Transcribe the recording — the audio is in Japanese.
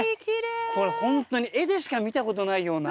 これホントに絵でしか見たことないような。